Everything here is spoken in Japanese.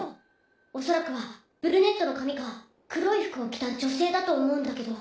おそらくはブルネットの髪か黒い服を着た女性だと思うんだけど。